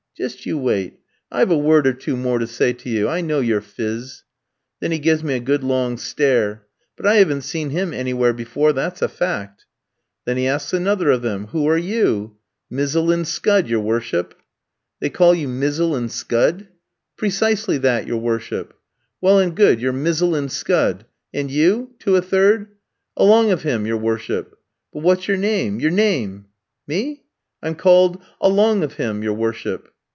"'Just you wait; I've a word or two more to say to you. I know your phiz.' "Then he gives me a good long stare. But I hadn't seen him anywhere before, that's a fact. "Then he asks another of them, 'Who are you?' "'Mizzle and scud, your worship.' "'They call you Mizzle and scud?' "'Precisely that, your worship.' "'Well and good, you're Mizzle and scud! And you?' to a third. "'Along of him, your worship.' "'But what's your name your name?' "'Me? I'm called Along of him, your worship.'